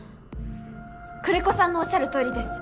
久連木さんのおっしゃるとおりです。